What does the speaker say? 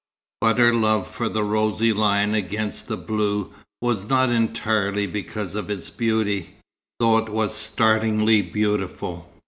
But her love for the rosy line against the blue was not entirely because of its beauty, though it was startlingly beautiful.